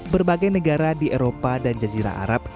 berbagai negara di eropa dan jazirah arab